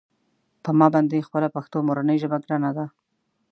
په ما باندې خپله پښتو مورنۍ ژبه ګرانه ده.